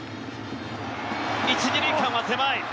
１・２塁間は狭い。